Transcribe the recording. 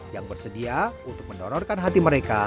yang bersedia untuk mendonorkan hati mereka